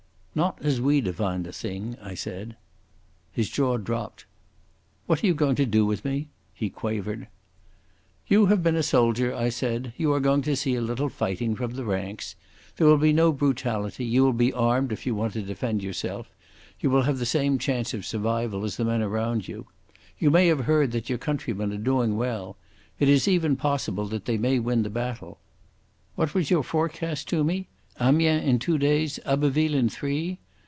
"Not as we define the thing," I said. His jaw dropped. "What are you going to do with me?" he quavered. "You have been a soldier," I said. "You are going to see a little fighting—from the ranks. There will be no brutality, you will be armed if you want to defend yourself, you will have the same chance of survival as the men around you. You may have heard that your countrymen are doing well. It is even possible that they may win the battle. What was your forecast to me? Amiens in two days, Abbeville in three.